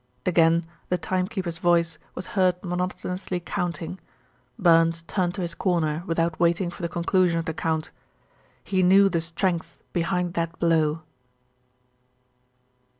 Again the timekeeper's voice was heard monotonously counting. Burns turned to his corner without waiting for the conclusion of the count. He knew the strength behind that blow.